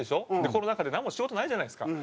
コロナ禍でなんも仕事ないじゃないですか。